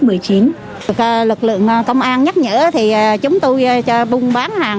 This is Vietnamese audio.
lực lượng công an nhắc nhở thì chúng tôi cho buôn bán hàng